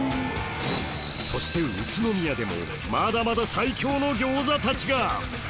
そして宇都宮でもまだまだ最強の餃子たちが！